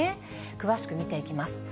詳しく見ていきます。